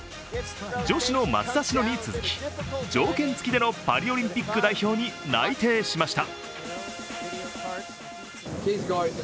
女子の松田詩野に続き条件付きのパリオリンピック代表に内定しました。